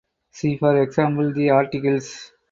See for example the articles.